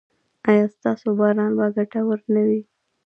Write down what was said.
ایا ستاسو باران به ګټور نه وي؟